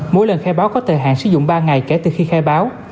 mỗi lần khai báo có thời hạn sử dụng ba ngày kể từ khi khai báo